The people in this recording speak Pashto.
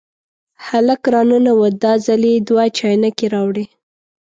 هلک را ننوت، دا ځل یې دوه چاینکې راوړې.